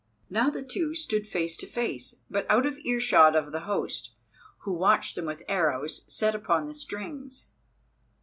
Now the two stood face to face, but out of earshot of the host, who watched them with arrows set upon the strings.